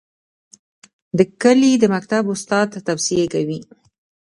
د کلي د مکتب استاد توصیې کوي.